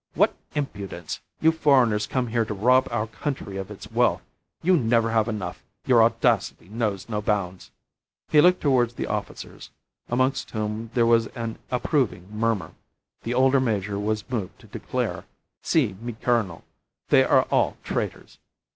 What impudence! You foreigners come here to rob our country of its wealth. You never have enough! Your audacity knows no bounds." He looked towards the officers, amongst whom there was an approving murmur. The older major was moved to declare "Si, mi colonel. They are all traitors."